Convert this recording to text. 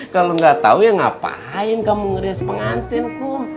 kalau nggak tahu ya ngapain kamu ngerias pengantin kum